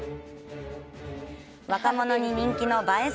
若者に人気の映え